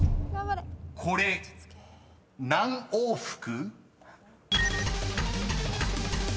［これ何往復？］